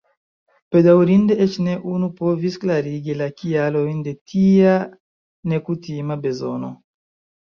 Bedaŭrinde eĉ ne unu povis klarigi la kialojn de tia nekutima bezono.